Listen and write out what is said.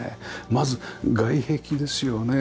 まず外壁ですよね。